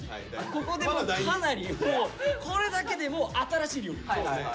ここでもうかなりこれだけでもう新しい料理。